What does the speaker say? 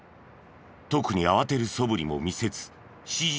特に慌てるそぶりも見せず指示に従う。